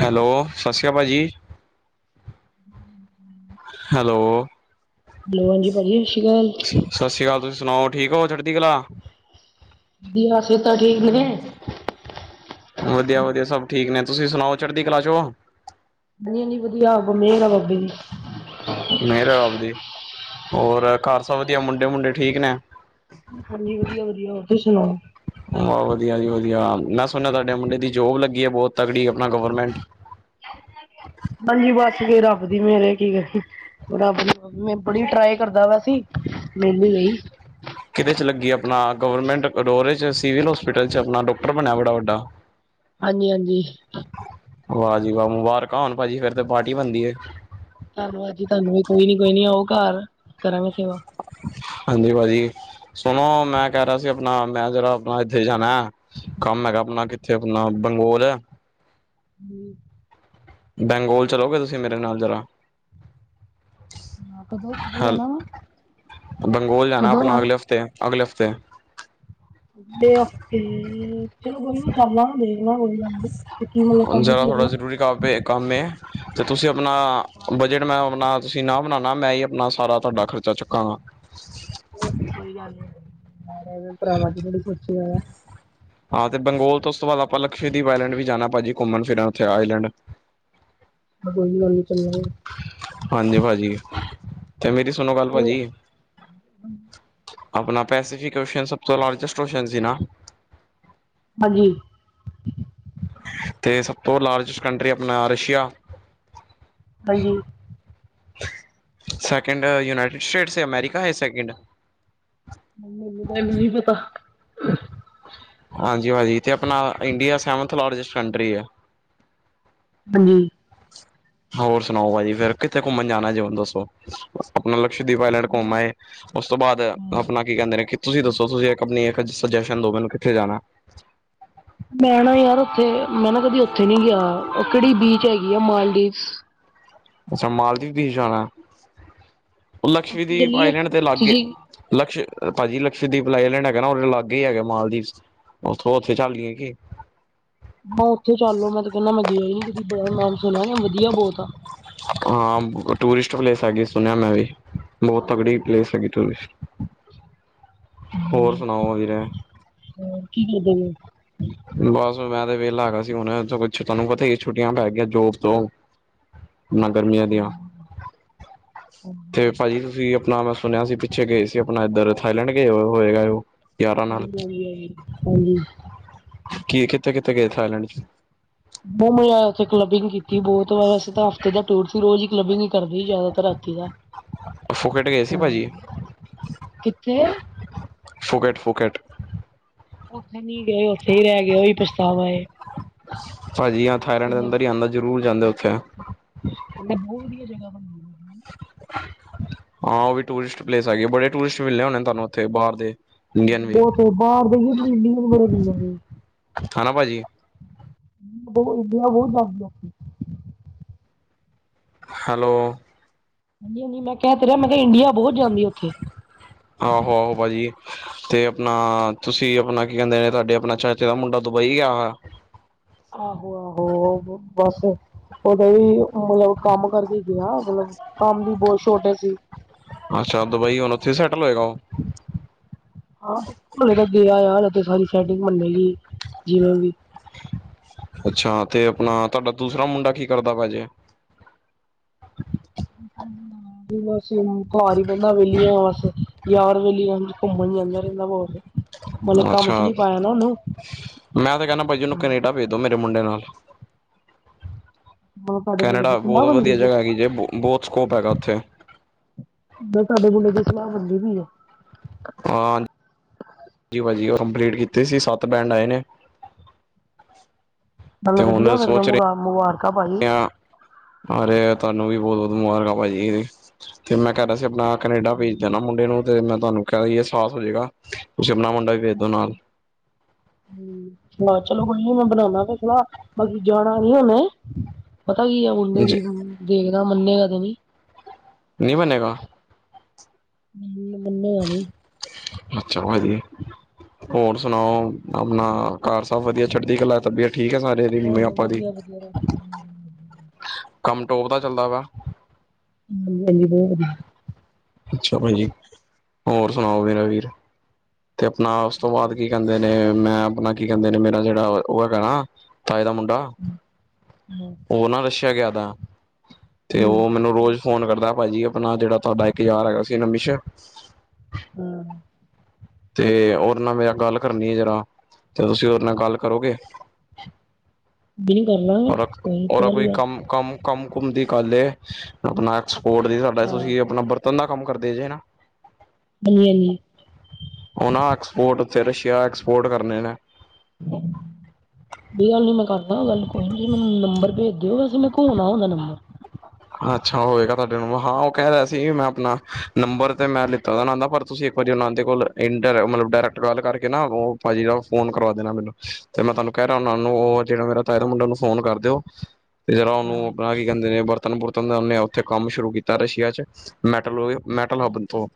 Hello ਸਤਿ ਸ਼੍ਰੀ ਅਕਾਲ ਭਾਜੀ ਹੈਲੋ ਹੈਲੋ ਹਾਂਜੀ ਭਾਜੀ ਸਤਿ ਸ਼੍ਰੀ ਅਕਾਲ ਸਤਿ ਸ਼੍ਰੀ ਅਕਾਲ ਤੁਸੀਂ ਸੁਣਾਓ ਠੀਕ ਹੋ ਚੜਦੀ ਕਲਾ ਦੀਆਂ ਸਿਹਤਾਂ ਠੀਕ ਨੇਵੇ ਵਧੀਆ ਵਧੀਆ ਸਭ ਠੀਕ ਨੇ ਤੁਸੀਂ ਸੁਣਾਓ ਚੜ੍ਹਦੀ ਕਲਾ ਚੋ ਮੈ ਵੀ ਵਧੀਆ ਵੀ ਮੇਰ ਆ ਬਾਬੇ ਦੀ ਮਿਹਰ ਐ ਰੱਬ ਦੀ ਹੋਰ ਏ ਘਰ ਸਭ ਵਧੀਆ ਮੁੰਡੇ ਮੁੰਡੇ ਠੀਕ ਨੇ ਹਾਂਜੀ ਵਧੀਆ ਵਧੀਆ ਹੋਰ ਤੁਸੀਂ ਸੁਣਾਓ ਵਧੀਆ ਜੀ ਵਧੀਆ ਮੈਂ ਸੁਣਿਆ ਤੁਹਾਡੇ ਮੁੰਡੇ ਦੀ ਜੋਬ ਲੱਗੀ ਐ ਬਹੁਤ ਤਕੜੀ ਆਪਣਾ ਗਵਰਮੈਂਟ [inaudible] ਹਾਂਜੀ ਬੱਸ ਫ ਰੱਬਦੀ ਮੇਹਰ ਏ ਕੀ ਕਰੀਏ ਆਪ ਬੜੀ ਟਰਾਈ ਕਰਦਾ ਪਿਆ ਸੀ ਮਿਲ ਈ ਗਈ ਕਿਹਦੇ 'ਚ ਲੱਗੀ ਆਪਣਾ ਗਵਰਮੈਂਟ ਰੋਰੇ 'ਚ ਸਿਵਲ ਹੋਸਪਿਟਲ 'ਚ ਆਪਣਾ ਡਾਕਟਰ ਬਣਿਆ ਬੜਾ ਵੱਡਾ [inaudible] ਹਾਂਜੀ ਹਾਂਜੀ ਵਾਹ ਜੀ ਵਾਹ ਮੁਬਾਰਕਾਂ ਹੋਣ ਭਾਜੀ ਫੇਰ ਤੇ ਪਾਰਟੀ ਬਣਦੀ ਐ ਤੁਹਾਨੂੰ ਅੱਜੀ ਤੁਹਾਨੂੰ ਵੀ ਕੋਈ ਨੀ ਕੋਈ ਨੀ ਆਓ ਘਰ ਕਰਾਂਗੇ ਸੇਵਾ ਹਾਂਜੀ ਭਾਜੀ ਸੁਣੋ ਮੈਂ ਕਹਿ ਰਿਹਾ ਸੀ ਆਪਣਾ ਮੈਂ ਜਿਹੜਾ ਆਪਣਾ ਇੱਥੇ ਹੀ ਜਾਣਾ ਕੰਮ ਹੈਗਾ ਆਪਣਾ ਕਿੱਥੇ ਆਪਣਾ ਬੰਗੋਲ ਐ ਹੂੰ [unintelligible] ਬੈਂਗੋਲ ਚਲੋਗੇ ਤੁਸੀਂ ਮੇਰੇ ਨਾਲ ਜ਼ਰਾ ਕਦੋਂ ਕਦੋਂ ਹੈਲ ਜਾਣਾ ਵਾ ਬੰਗੋਲ ਜਾਣਾ ਆਪਣਾ ਅਗਲੇ ਹਫ਼ਤੇ ਅਗਲੇ ਹਫ਼ਤੇ! ਅਗਲੇ ਹਫ਼ਤੇ ਚਲੋ ਕੋਈ ਨੀ ਚੱਲਣਾ ਦੇਖਣਾ ਕੋਈ ਗੱਲ ਨਈ ਜਰਾ [unintelligible] [unintelligible] ਕੰਮ ਏ ਤੇ ਤੁਸੀਂ ਆਪਣਾ ਅੱਛਾ ਬਜਟ? ਮੈਂ ਆਪਣਾ ਤੁਸੀਂ ਨਾ ਬਣਾਉਣਾ ਮੈਂ ਈ ਆਪਣਾ ਸਾਰਾ ਤੁਹਾਡਾ ਖਰਚਾ ਚੁੱਕਾਂਗਾ! ਹ! [unintelligible] ਹੋਰ ਤੇ ਕੋਈ ਗੱਲ ਨ [unintelligible] ਹਾਂ ਤੇ ਬੰਗੋਲ ਤੋਂ ਉਸ ਤੋਂ ਬਾਅਦ ਆਪਾਂ ਲਕਸ਼ਦੀਪ ਆਇਲੈਂਡ ਵੀ ਜਾਣਾ ਭਾਜੀ ਘੁੰਮਣ ਫਿਰਨ ਉੱਥੇ ਆਈਲੈਂਡ? ਹ! [unintelligible] ਨਾ ਕੋਈ ਗੱਲ ਨੀ ਚੱਲਾਗੇ। ਹਾਂਜੀ ਭਾਜੀ ਤੇ ਮੇਰੀ ਸੁਨੋ ਗੱਲ ਭਾਜੀ। ਹ ਅਪਨਾ ਪੈਸੀਫਿਕ ਔਸ਼ਨ ਸਭ ਤੋਂ ਲਾਰਜਸਟ ਔਸ਼ਨ ਸੀ ਨਾ? ਹਜੀ ਤੇ ਸਭ ਤੋਂ ਲਾਰਜੈਸਟ ਕੰਟਰੀ ਅਪਨਾ ਰਸ਼ੀਆ। ਹਂਜੀ। ਸੈਕਿੰਡ ਯੂਨਾਈਟਡ ਸਟੇਟਸ ਅਮੈਰੀਕਾ ਏ ਸੈਕਿੰਡ ਮੈਨੂੰ ਤਾਂ ਏਨਾ ਨਈ ਪਤਾ। ਹਾਂਜੀ ਭਾਜੀ, ਤੇ ਅਪਨਾ ਇੰਡੀਆ ਸੈਵੰਥ ਲਾਰਜਸਟ ਕੰਟਰੀ ਏ। ਹੂੰ। ਹੋਰ ਸੁਨਾਓ ਭਾਜੀ ਫੇਰ ਕਿੱਥੇ ਘੁੰਮਨ ਜਾਨਾ ਜੇ ਹੁਨ ਦੱਸੋ? ਬਸ ਅਪਨਾ ਲਕਸ਼ਦੀਪ ਆਏਲੈਂਡ ਘੁੰਮ ਬਹੁਤ ਆਏ। ੳਸ ਤੋਂ ਬਾਦ ਅਪਨਾ ਕੀ ਕੈੰਦੇ ਨੇ ਕਿ ਤੁਸੀ ਦੱਸੋ ਤੁਸੀ ਇਕ ਅਪਨੀ ਇਕ ਸਜੈਸ਼ਨ ਦੋ ਮੈਨੂੰ ਕਿੱਥੇ ਜਾਨਾ? ਮੈਂ ਨਾ ਯਾਰ ੳਥੇ ਮੈਂ ਨਾ ਕਦੀ ੳਥੇ ਨੀ ਗਿਆ, ੳਹ ਕੈੜੀ ਬੀਚ ਹੈਗੀ ਆ ਮਾਲਦੀਵਸ। ਅੱਛਾ ਮਾਲਦੀਵ ਜਾਨਾ, ਉੱਥੇ ਲਕਸ਼ਦੀਪ ਚੱਲੀਏ ਆਏਲੈਂਡ ਤੇ ਅਲਗ ਏ। ਤੁਸੀਂ ਲਕਸ਼ ਭਾਜੀ ਲਕਸ਼ਦੀਪ ਆਈਲੈਂਡ ਹੈਗਾ ਨਾ ੳਹ ਅਲਗ ਹੀ ਹੈਗਾ ਮਾਲਦੀਵਸ ੳਥੋਂ ੳਥੇ ਚੱਲ ਲੀਏ ਕੀ? ਮਾ ਉੱਥੇ ਚੱਲ ਲੋ ਮੈਂ ਤੇ ਕੇਨਾ ਮੈਂ ਗਿਆ ਈ ਨੀ ਕਦੀ, ਬੜਾ ਨਾਮ ਸੁਨੇਆ, ਵਧੀਆ ਬੋਤ ਆ। ਹਾਂ ਟੂਰਿਸਟ ਪਲੈਸ ਹੈਗੀ ਸੁਨਆ ਮੈਂ ਵੀ, ਬੋਤ ਤਕੜੀ ਹਾਂਜੀ ਪਲੈਸ ਹੈਗੀ ਟੂਰਿਸਟ। ਹੋਰ ਸੁਨਾਓ ਵੀਰੇ? ਹੋਰ ਕੀ ਕਰਦੇ ਪਏ ੳ? ਬਸ ਮੈਂ ਤੇ ਵੇਲਾ ਹੇਗਾ ਸੀ ਹੁਨੇ ਕੁਛ, ਤਾਨੂੰ ਪਤਾ ਈ ਏ ਛੁੱਟੀਆਂ ਪੈ ਗਈਆ ਜੋਬ ਤੋਂ! ਨਾ ਗਰਮੀਆਂ ਦੀਆਂ। ਤੇ ਭਾਜੀ ਤੁਸੀ ਅਪਨਾ ਮੈਂ ਸੁਨਆ ਸੀ ਪਿੱਛੇ ਗਏ ਸੀ ਅਪਨਾ ਏਧਰ ਥਾਈਲੈਂਡ ਗਏ ੳ ਹੋ ਆਏ ੳ। ਹਾਂਜੀ ਹਾਂਜੀ ਹਾਂਜੀ, ਹਾਂਜੀ। ਕੀ ਕਿਥੇ-ਕਿਥੇ ਗਏ ਥਾਏਲੈਂਡ ਚ। ਬੋ ਮਜਾ ਆਏਆ ੳਥੇ ਕਲਬਿੰਗ ਕੀਤੀ ਬਹੁਤ ਵਾਰ ਅਸੇ ਤਾਂ। ਉਦਾ ਟੂਰ ਸੀ ਰੋਜ਼ ਈ ਕਲੱਬਿੰਗ ਈ ਕਰਦੀ ਜਾਦਾਤਰ ਰਾਤੀ ਆ। ਫੁਕੇਟ ਗਏ ਸੀ ਭਾਜੀ, ਕਿੱਥੇ ਫੁਕੇਟ ਫੁਕੇਟ। ੳਥੇ ਨੀ ਗਏ ੳਥੇ ਈ ਰੈ ਗਏ, ੳਈ ਪਛਤਾਵਾ ਏ। ਭਾਜੀ ਅ ਥਾਏਲੈਂਡ ਦੇ ਕਹਿੰਦਾ ਅੰਦਰ ਈ ਆਂਦਾ ਜ਼ਰੂਰ ਜਾਂਦੇ ੳਥੇ। ਬਹੁਤ ਵਧੀਆ ਜਗਾ ਬਨੀ ਏ ਹਾਂ ੳਹ ਵੀ ਟੂਰਿਸਟ ਪਲੇਸ ਹੈਗੇ। ਬੜੇ ਟੂਰਿਸਟ ਮਿਲੇ ਹੋਨੇ ਤਾਨੂੰ ੳਥੇ, ਬਾਰ ਦੇ। ਇੰਡੀਅਨ ਵੀ ਬੋਤ ਬਾਹਰ ਦੇ ਵੀ, ਇੰਡੀਆ ਦੇ ਬੜੇ ਮਿਲ ਜਾਨਗੇ। ਖਾਨਾ ਭਾਜੀ ਇੰਡੀਆ ਬੋਤ ਜਾਂਦੀ ਆ। ਹੈਲੋ ਹਾਂਜੀ ਹਾਂਜੀ ਮੈਂ ਕੈ ਤੇ ਰਿਆ, ਮੈਂ ਕਿਆ ਇੰਡੀਆ ਬੋਤ ਜਾਂਦੀ ਆ ੳਥੇ। ਆਹੋ, ਆਹੋ ਭਾੱਜੀ। ਤੇ ਅਪਨਾ ਤੁਸੀ ਅਪਨਾ ਕੀ ਕੈੰਦੇ ਨੇ ਤੁਆਡੇ ਅਪਨਾ ਚਾਚੇ ਦਾ ਮੁੰਡਾ ਦੁਬਈ ਗੇਆ ਆ? ਆਹੋ, ਆਹੋ ਬੱਸ ੳਦੇ ਵੀ ਮਤਲਬ ਕੰਮ ਕਰਕੇ ਗਿਆ, ਮਤਲਬ ਕੰਮ ਦੀ ਬੋਤ ਸੋ਼ਟੱਜ ਸੀ। ਅੱਛਾ ਦੁਬਈ, ਹੁਨ ੳਥੇ ਸੇਟਲ ਹੋਏਗਾ ੳ? ਹਾਂ ਹਲੇ ਤਾ ਗਿਆ ਆ, ੳਥੇ ਸਾਰੀ ਸ਼ੈਟਿੰਗ ਬਨੇਗੀ ਜਿਵੇਂ ਵੀ। ਅੱਛਾ ਤੇ ਆਪਣਾ ਤੁਹਾਡਾ ਦੂਸਰਾ ਮੁੰਡਾ ਕੀ ਕਰਦਾ ਪਇਆ ਜੇ। [inaudible] ਜੀ ਬਸ ਘਰ ਵਿਹਲੀ ਆ ਬਸ ਯਾਰ ਵੇਲੀ ਆ ਘੁੰਮਣ ਜਾਂਦਾ ਰਹਿੰਦਾ ਬਸ ਅੱਛਾ, ਮੈਂ ਤੇ ਕਹਿਣਾ ਭਾਈ ਜੀ ਜਿਹਨੂੰ ਕੈਨੇਡਾ ਭੇਜ ਦੋ ਮੇਰੇ ਮੁੰਡੇ ਨਾਲ। ਮਤਲਬ ਤੁਹਾਡੇ ਮੁੰਡੇ ਦੀ ਕੈਨੇਡਾ ਬੋਤ ਸਲਾਹ ਬਣਦੀ ਵਧੀਆ ਪਈ ਜਗ੍ਹਾ ਹੈਗੀ ਜੇ ਬੋਤ ਸਕੋਪ ਹੈਗਾ ਉੱਥੇ। ਜਦ ਸਾਡੇ ਮੁੰਡੇ ਦੀ ਸਲਾਹ ਹੁੰਦੀ ਪਈ ਐ। ਹਾਂ, ਜੀ ਭਾਜੀ ਉਹ ਕੰਪਲੀਟ ਕੀਤੀ ਸੀ ਸੱਤ ਬੈਂਡ ਆਏ ਨੇ। ਤੇ ਚਲੋ ਵਧੀਆ ਹੁਣ ਫੇਰ ਤਾਂ ਸੋਚ ਰਹੇ ਮੁਬਾਰਕਾਂ ਭਾਜੀ। ਆ ਅਰੇ ਤੁਹਾਨੂੰ ਵੀ ਬੋਤ ਬੋਤ ਮੁਬਾਰਕਾਂ ਭਾਜੀ, ਤੇ ਮੈਂ ਕਹਿੰਦਾ ਸੀ ਆਪਣਾ। ਕੈਨੇਡਾ ਭੇਜ ਦੇ ਨਾ ਮੁੰਡੇ ਨੂੰ ਤੇ ਮੈਂ ਤੁਹਾਨੂੰ ਕਹਿ ਅਹਿਸਾਸ ਹੋ ਜਾਏਗਾ ਤੁਸੀਂ ਆਪਣਾ ਮੁੰਡਾ ਵੀ ਭੇਜ ਦੋ ਨਾਲ। ਹੂੰ, ਹਾਂ ਚਲੋ ਕੋਈ ਮੈਂ ਬਣਾਨਾ ਪਿਆ ਸਲਾਹ ਬਾਕੀ ਜਾਣਾ ਨੀ ਉਹਨੇ। ਪਤਾ ਕੀ ਆ ਮੁੰਡੇ ਜੀ ਵੀ ਦੇਖਦੇ ਮੰਨੇਗਾ ਤੇ ਨੀ। ਨੀ ਮੰਨੇਗਾ। ਹੂੰ, ਮੰਨੇਗਾ ਨੀ। ਅੱਛਾ ਭਾਜੀ ਜੀ, ਹੋਰ ਸੁਣਾਓ? ਆਪਣਾ ਘਰ ਸਭ ਵਧੀਆ ਛੱਡਦੀ ਕਲਾ ਤਬੀਅਤ ਠੀਕ ਐ ਸਾਰੇ? ਦੀ ਮੰਮੀ ਹਾਂ-ਹਾਂ, ਪਾਪਾ ਦੀ ਵਧੀਆ-ਵਧੀਆ। ਕੰਮ ਟੋਪ ਦਾ ਚੱਲਦਾ ਵਾ। ਹਾਂਜੀ-ਹਾਂਜੀ ਬੋਤ ਵਧੀਆ। ਅੱਛਾ ਭਾਜੀ, ਹੋਰ ਸੁਣਾਓ ਮੇਰਾ ਵੀਰ? ਤੇ ਆਪਣਾ ਉਸ ਤੋਂ ਬਾਅਦ ਕੀ ਕਹਿੰਦੇ ਨੇ ਮੈਂ ਆਪਣਾ। ਕੀ ਕਹਿੰਦੇ ਨੇ ਮੇਰਾ ਜਿਹੜਾ ਉਹ ਹੈਗਾ ਨਾ ਤਾਏ ਦਾ ਮੁੰਡਾ। ਉਹ ਨਾ ਰਸ਼ਿਆ ਗਿਆ ਥਾ। ਤੇ ਹੂੰ ਉਹ ਮੈਨੂੰ ਰੋਜ਼ ਫ਼ੋਨ ਕਰਦਾ ਭਾਜੀ ਆਪਣਾ ਜਿਹੜਾ ਤੁਹਾਡਾ ਇੱਕ ਯਾਰ ਹੈਗਾ ਸੀ ਨਮਿਸ਼। ਹਾਂ, ਤੇ ਉਹਨਾ ਨਾਲ ਮੇਰਾ ਗੱਲ ਕਰਨੀ ਆ ਜਰਾ, ਤੇ ਤੁਸੀਂ ਉਹਦੇ ਨਾਲ ਗੱਲ ਕਰੋਗੇ। ਨੀ ਕਰਨਾ। ਉਹ ਰੱਖ ਔਰਾ ਕੋਈ ਕੰਮ। ਕੰਮ ਕੰਮ ਕੁੁੰਮ ਦੀ ਕੱਲ ਏ, ਆਪਣਾ ਐਕਸਪੋਰਟ ਦੀ ਸਾਡਾ ਹਾਂ ਤੁਸੀਂ ਆਪਣਾ। ਤੰਦਾ ਕੰਮ ਕਰਦੇ ਜੇ ਹਨਾ। ਵੱਲੀ ਹਾਲੀ ਉਹ ਨਾ ਐਕਸਪੋਰਟਥਿਰ ਸ਼ੇਅਰ ਐਕਸਪੋਰਟ ਕਰਨੇ ਨੇ। ਹਾਂ, ਕੋਈ ਗੱਲ ਨੀ ਮੈਂ ਕਰਦਾ ਗੱਲ ਕੋਈ ਨੀ ਮੈਨੂੰ ਨੰਬਰ ਭੇਜ ਦਿਓ ਵੈਸੇ ਮੈਂ ਕੌਣ ਆ ਉਹਦਾ ਨੰਬਰ, ਹਾਂ, ਅੱਛਾ ਹੋਵੇਗਾ ਤੁਹਾਡੇ ਨੂੰ ਹਾਂ ਉਹ ਕਹਿ ਰਿਹਾ ਸੀ ਮੈਂ ਆਪਣਾ ਨੰਬਰ ਤੇ ਮੈਂ ਤਾਂ ਨਾ ਉਹਦਾ ਪਰ ਤੁਸੀਂ ਇੱਕ ਵਾਰੀ ਉਹ ਦੇ ਕੋਲ ਮਤਲਬ ਡਾਇਰੈਕਟ ਕੌਲ ਕਰਕੇ ਨਾ ਉਹ ਭਾਜੀ ਫ਼ੋਨ ਕਰਵਾ ਦੇਣਾ ਮੈਨੂੰ। ਤੇ ਮੈਂ ਤੁਹਾਨੂੰ ਕਹਿ ਰਿਹਾ ਹੁਣਾ ਉਹ ਨੂੰ ਉਹ ਜਿਹੜਾ ਮੇਰਾ ਤਾਏ ਦਾ ਮੁੰਡਾ ਉਹਨੂੰ ਫ਼ੋਨ ਕਰ ਦਿਓ। ਤੇ ਜਿਹੜਾ ਉਹਨੂੰ ਆਪਣਾ ਕੀ ਕਹਿੰਦੇ ਨੇ ਬਰਤਨ ਬਰੁਤਨ ਦਾ ਉਹਨੇ ਉਥੇ ਕੰਮ ਸ਼ੁਰੂ ਕੀਤਾ ਰਸ਼ੀਆ 'ਚ ਮੈਟਲ। ਮੈਟਲ ਹਬਨ ਤੋਂ,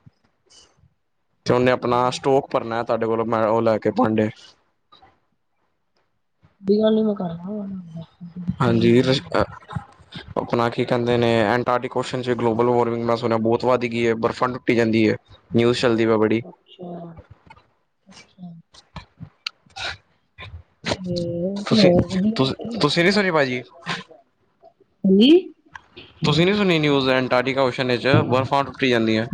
ਤੇ ਉਹਨੇ ਆਪਣਾ ਸਟੋਕ ਭਰਨਾ। ਤੁਹਾਡੇ ਕੋਲੋਂ ਮੈਂ ਉਹ ਲੈ ਕੇ ਭਾਂਡੇ। ਕੋਈ ਗੱਲ ਨੀ ਮੈਂ ਕਰਦਾ ਉਹਨਾਂ ਨਾਲ ਗੱਲ। ਕੋਈ ਦਿੱਕਤ ਵਾਲੀ ਹਾਂਜੀ ਨੀ [unintelligible] ਆਪਣਾ ਕੀ ਕਹਿੰਦੇ ਨੇ ਐਂਟਾਰਟੀਕ ਓਸ਼ਨ 'ਚ ਗਲੋਬਲ ਵਾਰਮਿੰਗ ਮੈਂ ਸੁਣਿਆ ਬਹੁਤ ਵੱਧ ਗਈ ਐ ਬਰਫ਼ਾਂ ਟੁੱਟੀ ਜਾਂਦੀ ਐ। ਨਿਊਜ਼ ਚੱਲਦੀ ਪਾ ਬੜੀ। ਅੱਛਾ! ਅੱਛਾ! ਹਮ। ਤੁਸੀਂ ਤੁ ਤੁਸੀਂ ਨਈ ਸੁਣੀ ਪਾਜੀ। ਹਾਂਜੀ। ਤੁਸੀਂ ਨੀ ਸੁਣੀ ਨਿਊਜ਼ ਅੰਟਾਰਟੀ ਓਸ਼ਨ ਵਿਚ ਬਰਫਾਂ ਟੁੱਟੀ ਜਾਂਦੀਆਂ।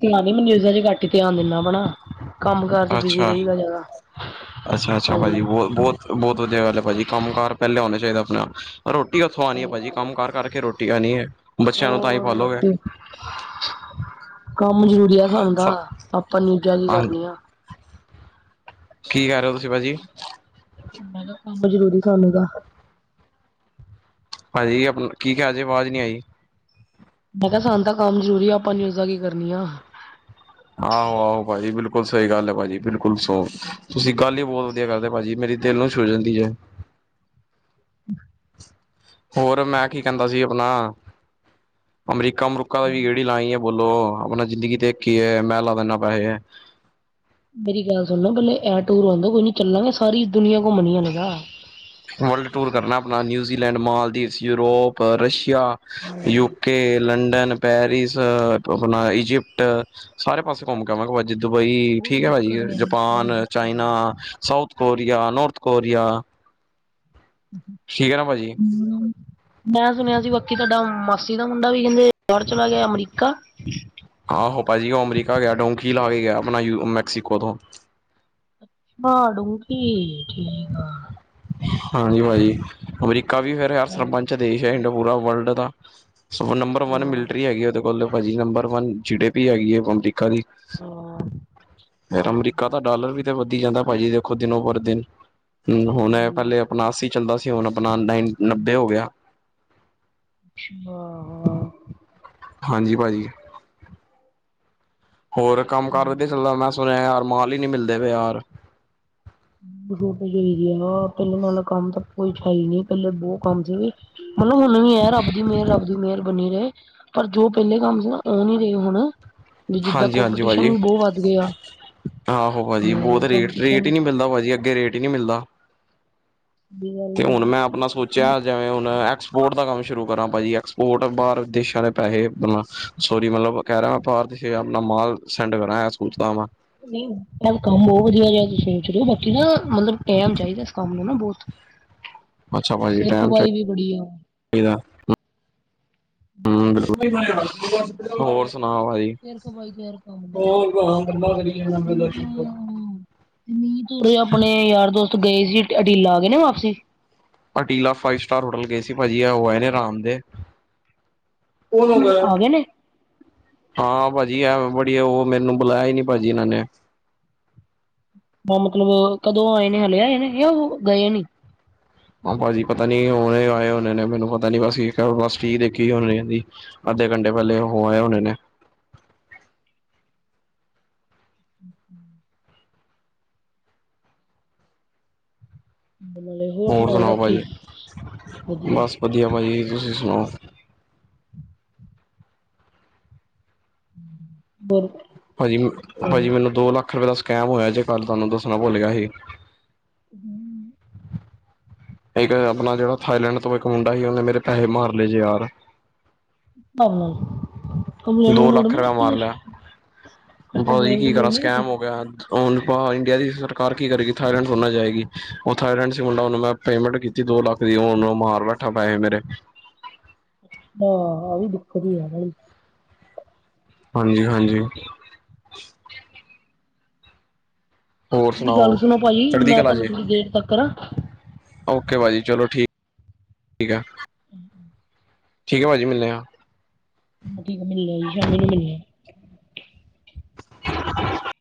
ਧਿਆ ਨੀ ਮੈਂ ਨਿਊਜ਼ਾਂ ਚ ਘੱਟ ਹੀ ਧਿਆਨ ਦਿੰਦਾ ਵਾ ਨਾ। ਕੰਮ ਕਾਰ ਚ ਬਿਜੀ ਅੱਛਾ ਰਈਦਾ ਜਾਦਾ ਹਾਂਜੀ। ਬੋਤ ਵੱਧੀਆ ਗੱਲ ਏ ਪਾਜੀ ਕੰਮ ਕਾਰ ਪੇਲੇ ਹੋਣਾ ਚਾਈਦਾ ਆਪਣਾ ਰੋਟੀ ਓਥੋਂ ਆਣੀ ਆ ਸਹੀ ਪਾਜੀ, ਗੱਲ ਏ। ਕੰਮ ਕਾਰ ਕਰਕੇ ਰੋਟੀ ਆਣੀ ਆ ਬੱਚਿਆਂ ਨੂੰ ਹੋਰ ਤਾਂ ਈ ਪਾਲੋਗੇ। ਰੋਟੀ ਕੰਮ ਜਰੂਰੀ ਆ ਸਾਨੂੰ ਤਾ, ਆਪਾਂ ਨਿਓਜਾ ਕੀ ਕਰਨੀਆ ਕੀ ਕਰ ਰਏ ਓ ਤੁਸੀਂ ਪਾਜੀ? ਮੈਂ ਕੇਆ ਕੰਮ ਜਰੂਰੀ ਸਾਨੂੰ ਤਾ। ਪਾਜੀ ਆਪਨਾ ਕੀ ਕੇਆ ਜੇ ਆਵਾਜ਼ ਨੀ ਆਈ। ਮੈਂ ਕੇਆ ਸਾਨੂੰ ਤਾਂ ਕੰਮ ਜਰੂਰੀ ਆ, ਆਪਾਂ ਨਿਊਜ਼ਾਂ ਕੀ ਕਰਨੀਆ। ਆਹੋ- ਆਹੋ, ਪਾਜੀ ਬਿਲਕੁਲ ਸਈ ਗੱਲ ਏ ਪਾਜੀ ਬਿਲਕੁਲ ਸੋ, ਤੁਸੀਂ ਗੱਲ ਈ ਬੋਤ ਵੱਧੀਆ ਕਰਦੇ ਪਾਜੀ ਮੇਰੀ ਦੇਲ ਨੂੰ ਛੂ ਜਾਂਦੀ ਆ। [unintelligible] ਹੋਰ ਮੈਂ ਕੀ ਕੈਂਦਾ ਸੀ ਆਪਣਾ ਅਮਰੀਕਾ ਕੰਮ ਰੁਕਾ ਦਾ ਵੀ ਗੇੜੀ ਲਾਈ ਏ, ਬੋਲੋ ਆਪਣਾ ਜ਼ਿੰਦਗੀ ਤੇ ਇੱਕ ਈ ਏ, ਮੈਂ ਲਾ ਦਿੰਦਾ ਪੈਸੇ। ਮੇਰੀ ਗੱਲ ਸੁਣ ਲੋ, ਪੇਲੇ ਐ ਟੂਰ ਹੋਣ ਦੋ, ਕੋਈ ਨੀ ਚੱਲਾਂਗੇ ਸਾਰੀ ਦੁਨੀਆਂ ਘੁੰਮਣੀ ਹਲੇ ਤਾ। ਵਰਲਡ ਟੂਰ ਕਰਨਾ ਆਪਣਾ ਨਿਊਜ਼ੀਲੈਂਡ, ਮਾਲਦੀਵ, ਯੂਰੋਪ, ਰਸ਼ੀਆ, ਹਾਂਜੀ। ਯੂਕੇ ਕੇ ਲੰਡਨ, ਪੈਰਿਸ ਆਪਣਾ ਇਜਿਪਟ ਸਾਰੇ ਪਾਸੇ ਘੁੰਮ ਕੇ ਆਵਾਂਗਾ ਦੁਬਈ ਕੋਈ ਠੀਕ ਹੈ ਪਾਜੀ ਦਿੱਕਤ ਨੀ ਹੈਗੀ ਕੋਈ ਜਪਾਨ, ਦਿੱਕਤ China, South Korea‍, North Korea ਹਮ। ਠੀਕ ਹੈ ਨਾ ਪਾਜੀ। ਮੈਂ ਸੁਣਿਆ ਸੀ ਬਾਕੀ ਤਾਡਾ ਮਾਸੀ ਦਾ ਮੁੰਡਾ ਵੀ ਕੇਂਦੇ ਬਾਰ ਚਲਾ ਗੇਆ ਅਮਰੀਕਾ? ਆਹੋ ਪਾਜੀ ਓ ਅਮਰੀਕਾ ਗੇਆ, ਡੋਂਕੀ ਲਾ ਕੇ ਗੇਆ ਆਪਣਾ ਯੂਰੋ ਮੈਕਸੀਕੋ ਤੋਂ। ਹਾ ਡੋਂਕੀ ਠੀਕ ਆ। ਹਾਂਜੀ ਪਾਜੀ ਅਮਰੀਕਾ ਵੀ ਫੇਰ ਹਰ ਹਾਂ ਸਰਪੰਚ ਦੇਸ਼ ਏ, ਪੂਰਾ ਵਰਲਡ ਦਾ। ਸਗੋ ਨੰਬਰ ਵਨ ਹਾਂ ਮਿਲਟਰੀ ਹੈਗੀ ਓਦੇ ਕੋਲ ਪਾਜੀ, number one G D P ਹੈਗੀ ਏ ਹੁਕਮ ਦੀ। ਕਦੀ ਹਾਂ। ਅਮਰੀਕਾ ਦਾ ਡਾਲਰ ਵੀ ਵੱਧੀ ਜਾਂਦਾ ਪਾਜੀ ਦੇਖੋ ਦਿਨੋ ਪੋਰ ਦਿਨ, ਹੁਣ ਏ ਪੇਲੇ ਆਪਣਾ ਸੀ ਚੱਲਦਾ ਸੀ ਹੁਣ ਆਪਣਾ ਨਾਈਨ ਨੱਬੇ ਹੋ ਗਿਆ। ਅੱਛਾ ਹਾਂ। ਹਾਂਜੀ ਪਾਜੀ। [unintelligible] ਹੋਰ ਕੰਮ ਕਾਰ ਵੱਧੀਆ ਹਾਂ। ਚੱਲਦਾ, ਮੈਂ ਸੁਣੇਆ ਯਾਰ ਮਾਲ ਈ ਨਈ ਮਿਲਦੇ ਪਏ ਬਜਾਰ। ਛੋਟੇਜ ਹੋਈ ਦੀ ਆ, ਹਾ ਪੇਲੇ ਨਾਲੋ ਕੰਮ ਤਾਂ ਕੁਛ ਹੈ ਨੀ ਪੇਲੇ ਬੋਤ ਕੰਮ ਸੀ। ਮਤਲਬ ਹੁਣ ਵੀ ਹੈ, ਰਬ ਦੀ ਮੇਰ, ਰੱਬ ਦੀ ਮੇਰ, ਬਣੀ ਰਏ। ਪਰ ਜੋ ਪੇਲੇ ਕੰਮ ਸੀ ਨਾ ਓ ਨੀ ਰਏ ਹੁਣ, ਵੀ ਜਿੱਦਾਂ ਹਾਂਜੀ ਹਾਂਜੀ ਕੋਮਪੀਟੀਸ਼ਨ ਭਾਜੀ ਵੀ ਬੋਤ ਵੱਧ ਗੇਆ। ਆਹੋ ਪਾਜੀ ਬੋਤ ਰੇਟ- ਰੇਟ ਈ ਨਈ ਮਿਲਦਾ, ਪਾਜੀ ਅੱਗੇ ਰੇਟ ਈ ਨਈ ਮਿਲਦਾ। ਦੀ ਤੇ ਗੱਲ ਹੁਣ ਮੈਂ ਆਪਣਾ ਸੋਚਿਆ ਜਿਵੇਂ ਹੁਣ ਐਕਸਪੋਰਟ ਦਾ ਕੰਮ ਸ਼ੁਰੂ ਕਰਾਂ ਪਾਜੀ, ਐਕਸਪੋਰਟ ਬਾਹਰ ਦੇਸ਼ਾਂ ਦੇ ਪੈਸੇ ਮਤਲਬ ਸੋਰੀ ਮਤਲਬ ਕੈ ਰਿਹਾ ਮੈਂ ਆਪਾ ਇਥੇ ਮਾਲ ਸੈਂਡ ਕਰਾ ਏ ਸੋਚਦਾ ਵਾਂ। ਨਈ ਕੰਮ ਬੋਤ ਵੱਧੀਆ, ਜੋ ਤੁਸੀ ਸੋਚ ਰਹੇ ਹੋ। ਨਾ ਮਤਲਬ ਟਾਈਮ ਚਾਹੀਦਾ ਇਸ ਕੰਮ ਨੂੰ ਨਾ ਬਹੁਤ ਅੱਛਾ ਭਾਈ ਜੀ ਸਿਰ ਟਾਈਮ ਖਪਾਈ ਚਾਹੀਦਾ। ਵੀ ਬੜੀ ਆ [unintelligible] ਹੋਰ ਸੁਣਾਓ ਭਾਜੀ। ਸੇਰਖਪਾਈ ਫ਼ਿਰ ਕੰਮ ਦੀ। ਹੋਰ ਗੱਲਾਂ ਕਰੀਏ [unintelligible] ਆਪਣੇ ਯਾਰ ਦੋਸਤ ਗਏ ਸੀ ਦਿਹਾੜੀ ਲਾ ਕੇ ਗਏ ਸੀ ਨਾ ਵਾਪਸੀ। ਪਟੀਲਾ ਫਾਈਵ ਸਟਾਰ ਹੋਟਲ ਗਏ ਸੀ ਭਾਜੀ। ਆ ਹੌ ਆਏ ਨੇ ਹਰਾਮ ਦੇ। ਆ ਗਏ ਨੇ [unintelligible] ਹਾਂ ਭਾਜੀ, ਐ ਬੜੀਆ। ਉਹ ਮੈਨੂੰ ਬੁਲਾਇਆ ਹੀ ਨੀ ਭਾਜੀ ਇਹਨਾਂ ਨੇ। ਮਤਲਬ ਕਦੋਂ ਆਏ ਨੇ? ਹਲੇ ਆਏ ਨੇ ਉਹ ਗਏ ਨੀ। ਭਾਜੀ, ਪਤਾ ਨੀ ਹੁਣੇ ਆਏ ਹੋਣੇ ਨੇ। ਮੈਨੂੰ ਪਤਾ ਨੀ ਬਸ [unintelligible] ਦੇਖੀ ਅੱਧੇ ਘੰਟੇ ਪਹਿਲੇ ਹੋ ਆ ਉਹਣੇ ਨੇ। [inaudible] ਹੋਰ ਸੁਣਾਓ ਬਾਕੀ ਵਧੀਆ। ਬਸ ਵਧੀਆ ਭਾਜੀ, ਤੁਸੀਂ ਸੁਣਾਓ‌। [unintelligible] ਭਾਜੀ ਭਾਜੀ, ਹਿਸਾਬ ਮੈਨੂੰ ਦੋ ਲੱਖ ਰੁਪ ਦਾ ਸਕੈਮ ਹੋਇਆ ਜੇ। ਕੱਲ੍ਹ ਤੁਹਾਨੂੰ ਦੱਸਣਾ ਭੁੱਲ ਗਿਆ ਸੀ। ਹਮ। ਇੱਕ ਆਪਨਾ ਜਿਹੜਾ ਥਾਈਲੈਂਡ ਤੋਂ ਇੱਕ ਮੁੰਡਾ ਸੀ। ਉਹਨੇ ਮੇਰੇ ਪੈਸੇ ਮਾਰ ਲਏ ਜੇ ਯਾਰ। [unintelligible] ਦੋ ਕਮਲੂਟ ਲੱਖ ਨੀ ਰੁਪਇਆ ਕੀਤੀ ਮਾਰ ਕੁਛ ਲਿਆ। ਕੁਛ ਕੰਪਲੇਂਟ ਕੀ ਕਰਾ ਕਮਲੂਟ ਨੀ ਕੀਤੀ ਸਕੈਮ ਹੋ ਗਿਆ। ਉਹ ਇੰਡੀਆ ਦੀ ਸਰਕਾਰ ਕੀ ਕਰੇਗੀ, ਥਾਈਲੈਂਡ ਥੋੜੀ ਜਾਏਗੀ। ਉਹ ਥਾਈਲੈਂਡ ਸੀ ਮੁੰਡਾ, ਉਹਨੂੰ ਮੈਂ। ਪੇਮੈਂਟ ਕੀਤੀ ਦੋ ਲੱਖ ਦੀ। ਹੁਣ ਮਾਰ ਬੈਠਾ ਪੈਸੇ ਮੇਰੇ। ਹਾਂ [unintelligible] ਹਾਂਜੀ -ਹਾਂਜੀ। ਹੋਰ ਗੱਲ ਸੁਣਾਓ ਸੁਣੋ ਭਾਜੀ, ਚੜ੍ਹਦੀ ਮੈਂ ਕਲਾ ਤੁਹਾਨੂੰ ਜੇ ਥੋੜੀ ਦੇਰ ਤੱਕਾਂ ਕਰਾਂ। ਓਕੇ ਭਾਜੀ, ਚਲੋ ਠੀਕ -ਠੀਕ ਆ। [unintelligible] ਠੀਕ ਹੈ ਭਾਜੀ। ਮਿਲਦੇ ਹਾਂ। ਠੀਕ ਹੈ ਜੀ। ਸ਼ਾਮੀ ਨੂੰ [unintelligible] [unintelligible]